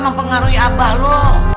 mempengaruhi abah lu